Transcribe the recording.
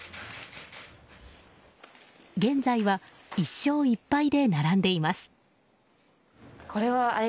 現在は１勝１敗で並んでいます。